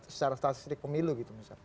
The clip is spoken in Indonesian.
secara statistik pemilu gitu misalnya